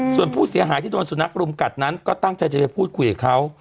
ส่วนผู้เสียหายที่โดนสุนัขรุมกัดนั้นก็ตั้งใจจะไปพูดคุยกับเขา